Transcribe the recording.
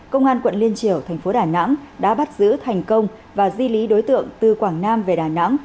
công an quận liên triều thành phố đà nẵng đã bắt giữ thành công và di lý đối tượng từ quảng nam về đà nẵng